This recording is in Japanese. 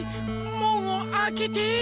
もんをあけて！